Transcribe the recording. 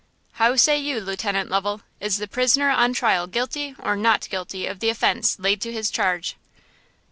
"How say you, Lieutenant Lovel, is the prisoner on trial guilty or not guilty of the offence laid to his charge?"